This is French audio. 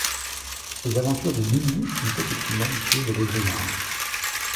Les aventures de Lulu, une petite fille malicieuse et débrouillarde.